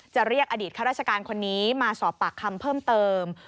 เรียกอดีตข้าราชการคนนี้มาสอบปากคำเพิ่มเติม